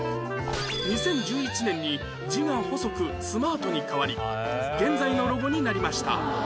２０１１年に字が細くスマートに変わり現在のロゴになりました